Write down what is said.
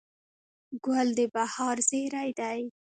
ګل د بهار زېری دی.